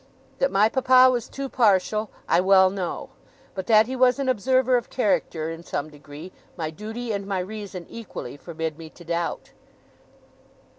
That my papa was too partial, I well know; but that he was an observer of character in some degree, my duty and my reason equally forbid me to doubt.